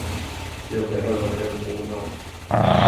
Jag behöver er båda.